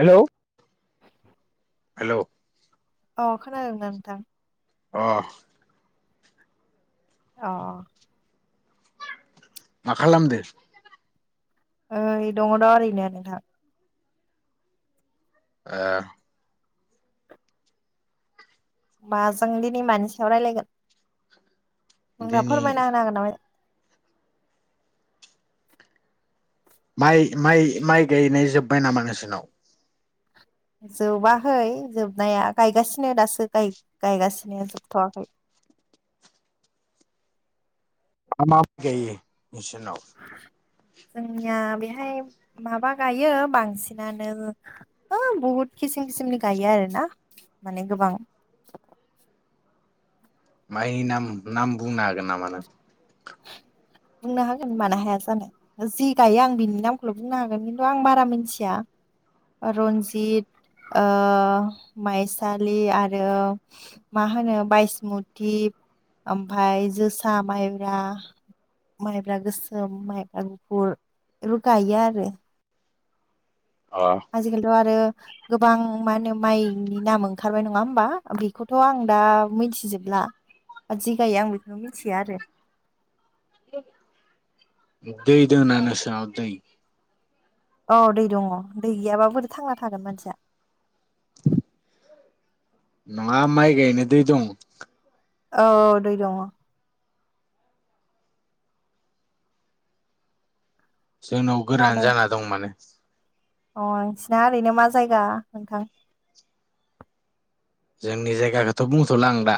हेल' हेल' औ खोनादोंना नोंथां? अ अ मा खालामदो? ओ दङ दा ओरैनो नोंथां । ए होमबा जों दिनैमानि सायाव रायज्लायगोन? नों दिनै फोरमायना होनो हागोन नामाय? माइ माइ माइ गायनाय जोब्बाय नामा नोंसोरनाव? जोबाखै जोबनाया गायगासिनो दासो गायगासिनो जोबथ'वाखै। [unintelligible] मा गायो निनाव? जोंनिया बेहाय माबा गायो बांसिनानो हो बहुद खिसिम किसिमनि गायो आरो ना माने गोबां । माइनि नाम नाम बुंनो हागोन नामा नों? बुंनो हागोन मानो हाया जानाय जि गायो आं बिनि नामखौल' बुंनो हागोन खिन्थु आं बारा मिथिया रनजित, ओ माइसालि आरो मा होनो बायसमुति ओमफ्राय जोसा माइ रा माइब्रा गोसोम, माइब्रा गुफुर बेफोर गायो आरो। अ आजिखालिथ' आरो गोबां मा होनो माइनि नाम ओंखारबाय नङा होमबा बेखौथ' आं दा मिथिजोबला। ओ जि गायो आं बेखौनो मिथिया आरो दै दोना नोंसोनाव दै? औ दै दङ दै गैयाब्ला बोरै थांना थागोन मानसिया। ना माइ गायनो दै दं? औ दै दङ। जोंनाव गोरान खोनादों जाना दं माने अ नोंसिना ओरैनो मा जायगा नोंथां? जोंनि जायगाखौथ' बुंथ'ला आं दा।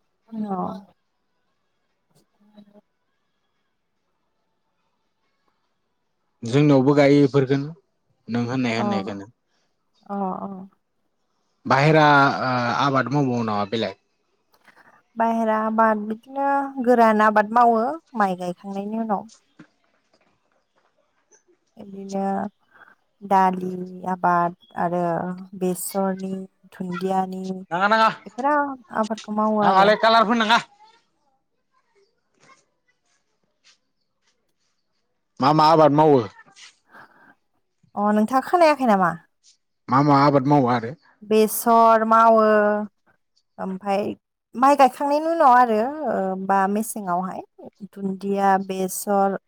औ जोंनियावबो गायो इफोरखौनो नों होननाय अ होननायखौनो। अ औ। बाहेरा ओ आबाद मावबावो नामा बेलेग? बायहेरा आबाद बिदिनो गोरान आबाद मावो माइ गायखांनायनि उनाव। बिदिनो दालि आबाद आरो बेसरनि धुइन न्दियानि नाङा नाङा बेफोर आबादखौ मावो आरो। नाङालै कालार फोन नाङा मा मा आबाद मावो? अ नोंथाङा खोनायाखै नामा? मा मा आबाद मावा? बेसर मावो ओमफफ्राय माइ गायखांनायनि उनाव आरो ओ बा मेसेङावहाय दुन्दिया बेसर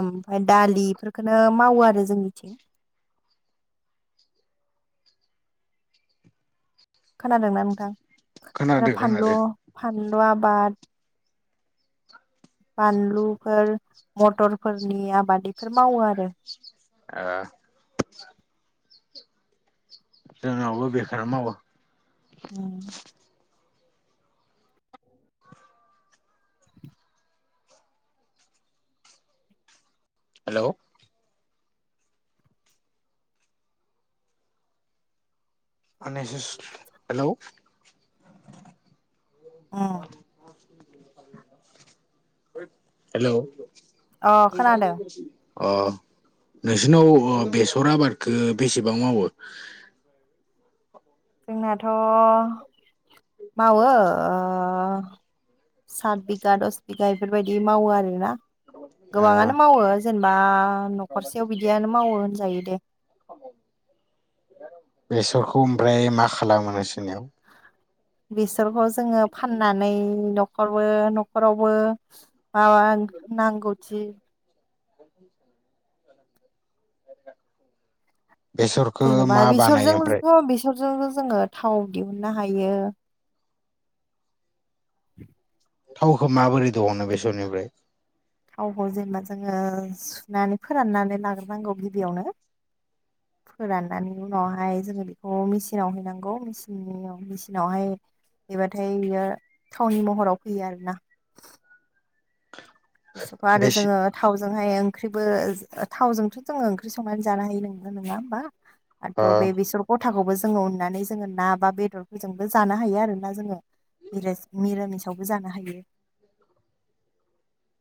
ओमफफ्राय दालि इफोरखौनो मावो आरो जोंनिथिं। खोनादोंना नोंथां आरो खोनादो फानलु खोनादो फानलु आबाद बानलुफोर मटरफोरनि आबाद इफोर मावो आरो। ओ जोंनावबो बेखोनो मावो। उम। हेलौ खोनायासैस हेलौ उम हेलौ अ खोनादों अ नोंसोरनाव ओ बेसर आबादखौ बेसेबां मावो? जोंनाथ' मावो ओ सात बिगा दस बिगा बेफोरबायदि मावो आरोना ओ गोबाङानो मावो जेनेबा न'खरसेयाव बिदियानो मावो होनजायो दे। बेसरखौ ओमफ्राय मा खालामो नोंसोरनियाव? बेसोरखौ जोङो फाननानै न'खरबो न'खरावबो माबा नांगौथि बेसरखौ जेन'बा मा बानायो ओमफ्राय बेसरजोंथ' बेसरजों जोङो थाव दिहुननो हायो [inaudible] थावखौ माबोरै दहनो बेसरनिफ्राय? थावखौ जेनेबा जोङो सुनानै फोराननानै लाग्रोनांगौ गिबियावनो। [inaudible] फोराननानै उनावहाय जोङो बेखौ मेचिनाव हैनांगौ मेचिननियाव मेचिनावहाय हैबाथाय बियो थाउनि महराव फैयो आरोना। बिसरखौ आरो बेसे जोङो थाव जोंहाय ओंख्रिबो थावजोंथ' जोङो ओंख्रि संनानै जानो हायो नंगौना नङा होमबा ओ आथ' बे बेसर ग थाखौबो जोङो उननानै जोङो ना बा बेदरफोरजोंबो जानो हायो आरोना जोङो मिरास मिरामिसावबो जानो हायो [inaudible]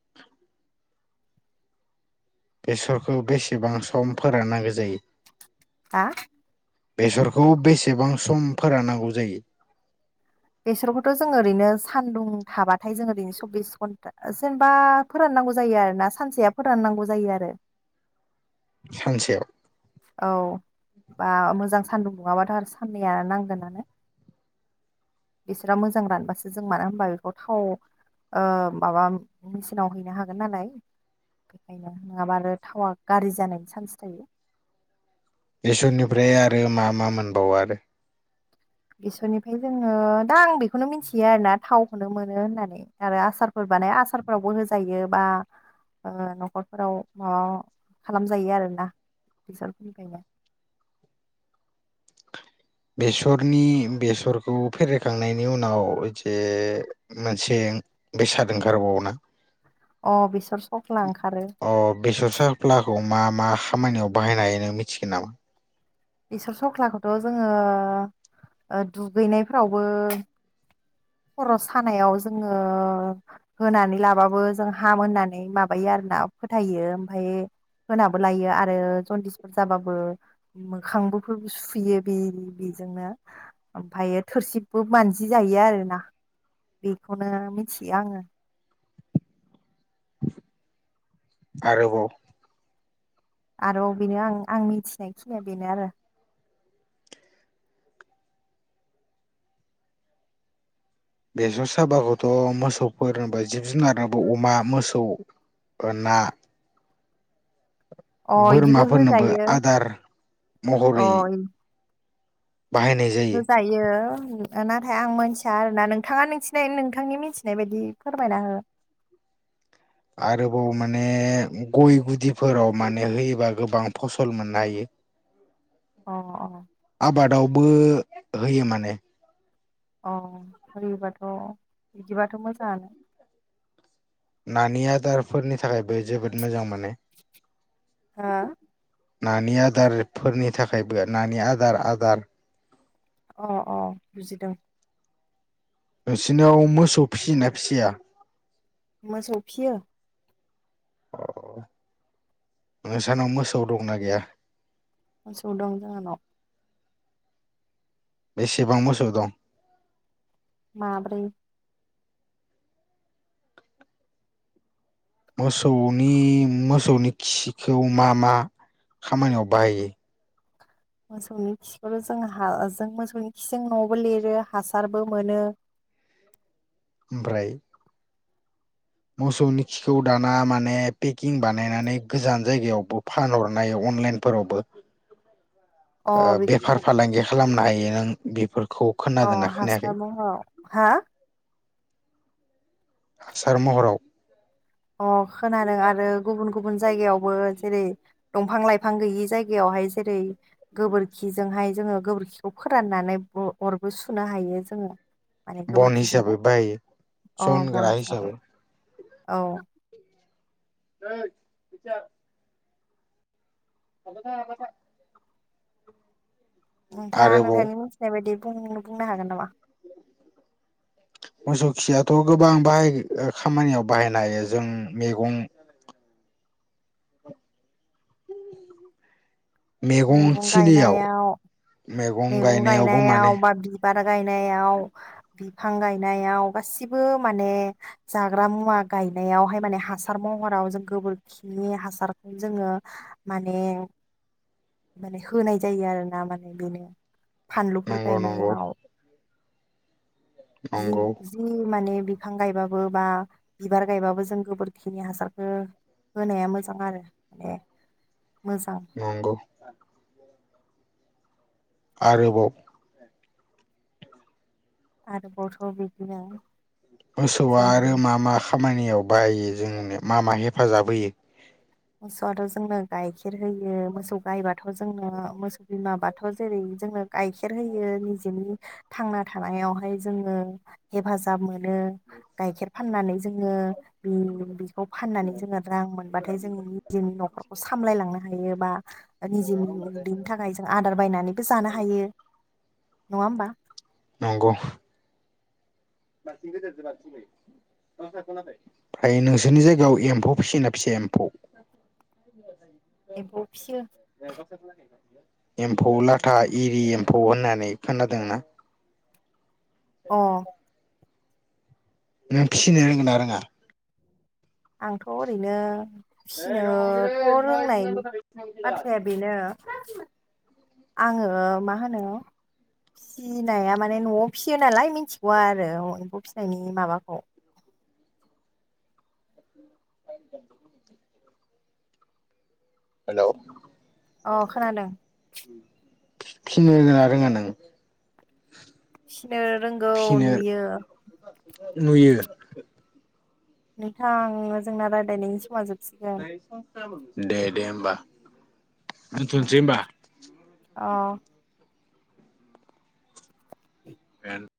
बेसरखौ बेसेबां सम फोराननांगौ जायो हा बेसरखौ बेसेबां सम फोराननांगौ जायो बेसरखौथ' जों ओरैनो सान्दुं थाबाथाय जों बिनि सब्बिस घन्टा जेनेबा फोराननांगौ जायो आरोना सानसेया फोराननांगौ जायो आरो सानसेयाव औ बा मोजां सान्दुं दुङाबाथ' आरो साननैया नांगोनानो बिसोरा मोजां रानबासो जों मानो होमबा बेखौ थाव ओ माबा मिचिनाव हैनो हागोन नालाय। बेखायनो नङाब्ला आरो थावा गाज्रि जानायनि चान्स थायो। इसोर निफ्राय आरो मा मा मोनबावो आरो? बिसोर निफ्राय जोङो दा आं बेखौनो मिन्थियो आरोना थाव खौनो मोनो होननानै आरो हासार फोर। माने आसार फोरावबो होजायो बा ओ न'खर फोराव माबा खालाम जायो आरोना। बिसान खुंखायनाय। [inaudible] बेसरनि बेसरखौ फेरे खांनायनि उनाव जे मोनसे बेसाद ओंखार बावोना? अ बेसर साव ओ बेसर सारफ्लाखौ मा मा खामानि याव बाहायनो हायो नों मिथिगोन नामा? बेसर सावख्ला खौथ' जोङो ओ दुगैनाय फोरावबो [inaudible] खर' सानायाव जोङो होनानै लाबाबो जों हामो होननानै माबायो आरो ना। फोथायो ओमफाय होनाबो लायो आरो जन्दिस फोर जाबाबो मो खांबो फोर सुयो बे बेजोंनो ओमफ्रायो थोरसिबो मानजि जायो आरो। ना बेखौनो मिथियो आङो। आरो बाव आरो बेनो आं आं मिथिनाय खिनिया बेनो आरो। बेसर साबाखौथ' मोसौफोर बाय जिब जुनारबो अमा, मोसौ ओ ना अ इदिबो बोरमा फोरनोबो होजायो आदार अ महरै बाहायनाय जायो होजायो नाथाय आं मोनथिया आरोना नोंथाङा मिनथि नाय नोंथांनि मिनथि नाय बायदि फोरमायना हो। [inaudible] आरोबाव माने गय गुदि फोराव माने होयोबा गोबां फसल मोननो हायो। [inaudible] अ अ। आबादावबो होयो माने। ओ होयोबाथ' बिदिबाथ' मोजाङानो। नानि आदार फोरनि थाखायबो जोबोद मोजांमोन। हा नानि आदार फोरनि थाखायबो नानि आदार आदार ओ ओ बुजिदों। नोंसिनाव मोसौ फिसि योना फिसिया? मोसौ फियो। अ नोंसानाव मोसौ दंना गैया? मोसौ दं जोंहानाव। बेसेबां मोसौ दं? माब्रै। मोसौनि मोसौनि खि खौ मा मा खामा नियाव बाहायो? मोसौनि खिखौ' जों जों मोसौनि खिजों न'बो लिरो हासारबो मोनो। ओमफ्राय मोसौनि खिखौ दाना माने पेकिं बानायनानै गोजान जायगा यावबो फानहर नायाव अनलाइन फोरावबो अ ओ बेफार बेखौ फालांगि खालामनो हायो नों बेफोर अ हासार महराव हा हासार महराव। अ खोनादों आरो गुबुन गुबुन जायगायावबो जेरै' दंफां लाइफां गैयि जायगायावहाय जेरै' गोबोरखिजोंहाय जोङो गोबोरखिखौ फोराननानै अर'बो सुनो हायो जोङो। माने बन हिसाबै गोबोरखिजोंनो बायो अ बन जनग्रा हिसाबै औ बिार [inaudible] [inaudible] नोंथाङा आरोबाव नोंथांनि मिथिनाय बायदि बुंनो बुंनो हागोन नामा? मोसौ खियाथ' गोबां बाहाय खामानियाव बाहायनो हायो जों मैगं [inaudible] मैगं गायनायाव मैगं गायनायावबो माने गायनायाव बा बि बिबार गायनायाव बिफां गायनायाव गासिबो माने जाग्रा मुवा गायनायावहाय माने हासार महराव जों गोबोरखिनि हासारखौ जोङो माने [unintelligible] माने होनाय जायो आरोना माने बेनो फानलुफोर नंगौ नंगौ गायनायाव जि नंगौ जि माने बिफां गायबाबो बा बिबार गायबाबो जों गोबोरखिनि हासारखो होनाया मोजां आरोना [inaudible] माने मोजां नंगौ आरोबाव आरो बाआव'थ बिब्दिनो मोसौआ आरो मा मा खामानियाव बाहायो जोंनो मा मा हेफाजाब होयो? मोसौआथ' जोंनो गाइखेर होयो मोसौ गायबाथ' जोंनो मोसौ बिमाबाथ' जेरै' जोंनो गाइखेर होयो निजेनि थांना थानायावहाय जोङो हेफाजाब मोनो [inaudible] गाइखेर फाननानै जोङो बि बेखौ फाननानै जोङो रां मोनबाथाय जों निजोंनि न'खरखौ सामलायलांनो हायो बा निजेनि उदैनि थाखाय जों आदार बायनानैबो जानो हायो नङ हबा? नंगौ। थायो नोंसोरनि जायगायाव एम्फौ फिसियोना फिसिया? एम्फौ एम्फौ फिसियो एम्फौ लाथा एरि एम्फौ होननानै खोनादोंना? अ नों फिसिनो रोंगोननाा रोङा? आंथ' ओरैनो फिसिनोथ' रोंनायनि बाथ्राया बेनो आङो मा होनो फिसिनाया माने न'आव फिसियो नालाय मिथिगौवा आरो एम्फौ फिसिनायनि माबाखौ? [inaudible] हेल' अ खोनादों। फिनो रोङा आं [unintelligible] फिनो रोंगौ नुयो । नुयो। नोंथां जोंना राय्लायनायनि समाज जोब दे दे होमबा। दोनथनोसै होमबा? अ बे [unintelligible]